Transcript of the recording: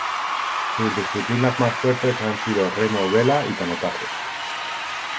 Sus disciplinas más fuertes han sido remo, vela y canotaje.